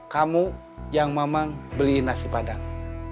kamu yang mamang beliin nasi padang